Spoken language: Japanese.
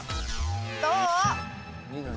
どう？